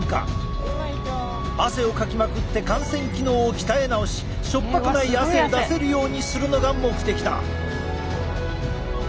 汗をかきまくって汗腺機能を鍛え直し塩っぱくない汗を出せるようにするのが目的だ！